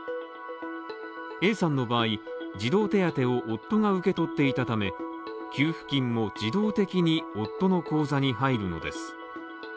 Ａさんの場合、児童手当を夫が受け取っていたため、給付金も自動的に夫の口座に入るのです。